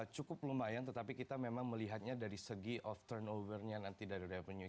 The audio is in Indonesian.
cukup lumayan tetapi kita memang melihatnya dari segi turn over nya nanti dari revenue